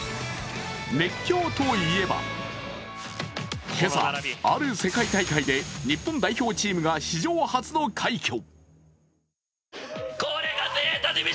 熱狂といえば、今朝ある世界大会で日本代表チームが史上初の快挙。